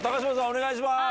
お願いします！